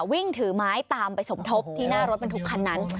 วิ่งถือไม้ตามไปสมทบที่หน้ารถบรรทุกคันนั้น